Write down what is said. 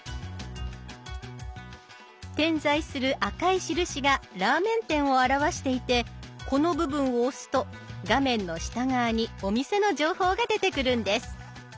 点在する赤い印がラーメン店を表していてこの部分を押すと画面の下側にお店の情報が出てくるんです。